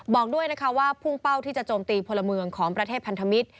บอกด้วยนะคะว่าพุ่งเป้าที่จะโจมตีพลเมืองของประเทศพันธมิตร